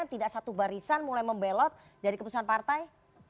tidak satu barisan mulai membelot dari keputusan partai